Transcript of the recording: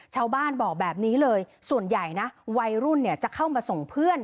ชาวบ้านบอกแบบนี้เลยส่วนใหญ่นะวัยรุ่นจะเข้ามาส่งเพื่อน